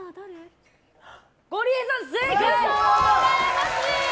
ゴリエさん、正解！